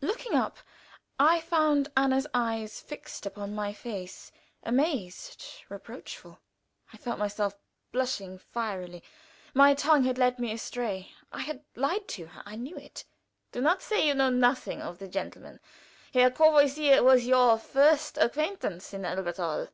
Looking up, I found Anna's eyes fixed upon my face, amazed, reproachful. I felt myself blushing fierily. My tongue had led me astray; I had lied to her: I knew it. "Do not say you know nothing of either of the gentlemen. Herr Courvoisier was your first acquaintance in Elberthal."